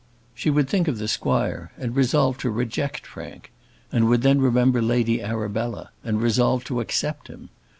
She would think of the squire, and resolve to reject Frank; and would then remember Lady Arabella, and resolve to accept him.